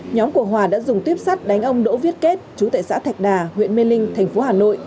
nhóm của họ đã đưa ra một bài hỏi về tội cố ý gây thương tích làm chết người